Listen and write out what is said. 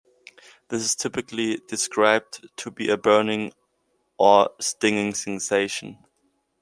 This is typically described to be a burning or stinging sensation.